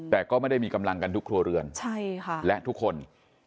แต่ก็ไม่ได้มีกำลังกันทุกครัวเรือนและทุกคน